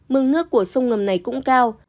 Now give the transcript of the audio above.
mừng nước của sông ngầm này cũng cao